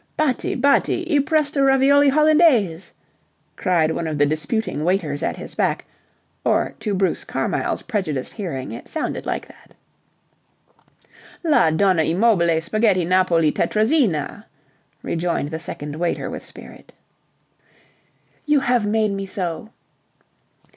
"Batti, batti! I presto ravioli hollandaise," cried one of the disputing waiters at his back or to Bruce Carmyle's prejudiced hearing it sounded like that. "La Donna e mobile spaghetti napoli Tettrazina," rejoined the second waiter with spirit. "... you have made me so..."